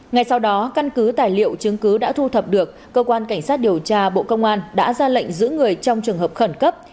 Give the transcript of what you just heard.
ngay sau đó căn cứ tài liệu chứng cứ đã thu thập được cơ quan cảnh sát điều tra bộ công an đã ra lệnh giữ người trong trường hợp khẩn cấp